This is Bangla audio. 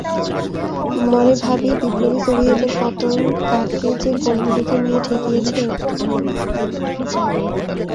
মনে ভাবি, বিপ্লবী সোভিয়েতের পতন কাকে যে কোন মুলুকে নিয়ে ঠেকিয়েছে।